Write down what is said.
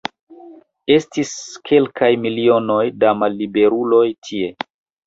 Estis kelkaj milionoj da malliberuloj tie.